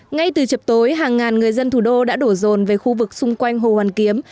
ngay từ chập tối hàng ngàn người dân thủ đô đã đổ rồn về khu vực xung quanh hồ hoàn kiếm